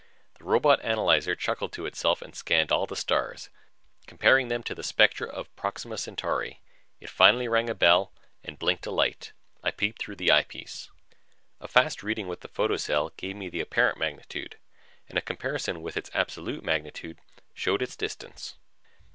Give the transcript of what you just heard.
The robot analyzer chuckled to itself and scanned all the stars, comparing them to the spectra of Proxima Centauri. It finally rang a bell and blinked a light. I peeped through the eyepiece. A fast reading with the photocell gave me the apparent magnitude and a comparison with its absolute magnitude showed its distance.